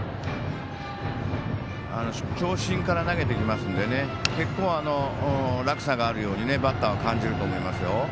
長身から投げてきますので結構、落差があるようにバッターは感じると思いますよ。